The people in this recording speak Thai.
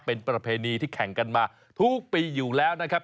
เป็นประเพณีที่แข่งกันมาทุกปีอยู่แล้วนะครับ